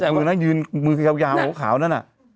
โหโมคมือน่ายืนมือค่าวนั่นน่ะ